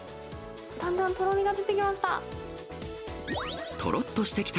だんだんとろみが出てきました。